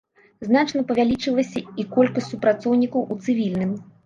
Значна павялічылася і колькасць супрацоўнікаў у цывільным.